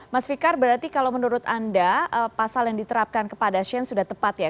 mas fikar berarti kalau menurut anda pasal yang diterapkan kepada shane sudah tepat ya